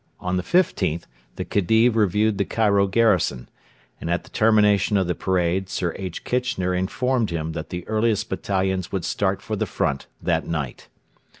On the 15th the Khedive reviewed the Cairo garrison; and at the termination of the parade Sir H. Kitchener informed him that the earliest battalions would start for the front that night.